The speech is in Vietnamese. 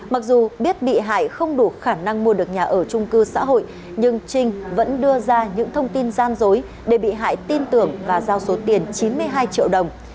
mặc dù biết bị hại không đủ khả năng mua được nhà ở trung cư xã hội nhưng trinh vẫn đưa ra những thông tin gian dối để bị hại tin tưởng và giao số tiền chín mươi hai triệu đồng